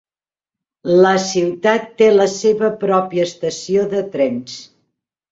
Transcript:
La ciutat té la seva pròpia estació de trens.